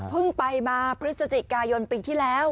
ไปมาพฤศจิกายนปีที่แล้ว